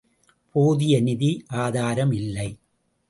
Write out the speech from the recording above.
போதிய நிதி ஆதாரம் இல்லை.